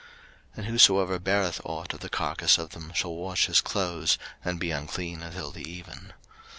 03:011:025 And whosoever beareth ought of the carcase of them shall wash his clothes, and be unclean until the even.